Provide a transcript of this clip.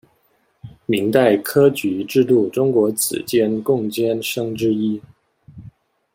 明代科举制度中国子监贡监生之一。